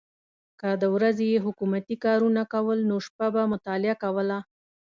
که د ورځې یې حکومتي کارونه کول نو شپه به مطالعه کوله.